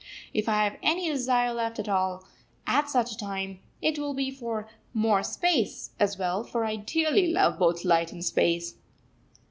If I have any desire left at all at such a time, it will be for "more space" as well; for I dearly love both light and space.